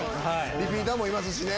リピーターもいますしね。